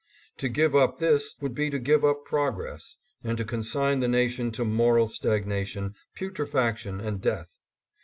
To give up this would be to give up progress, and to consign the nation to moral stagnation, putrefaction and death.